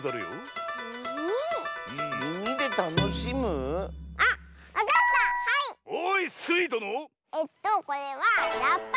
えっとこれはラッパ！